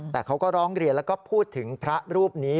แต่เขาก็ร้องเรียนแล้วก็พูดถึงพระรูปนี้